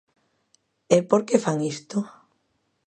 ¿E por que fan isto?